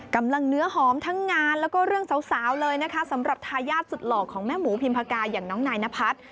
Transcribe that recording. เนื้อหอมทั้งงานแล้วก็เรื่องสาวเลยนะคะสำหรับทายาทสุดหล่อของแม่หมูพิมพากาอย่างน้องนายนพัฒน์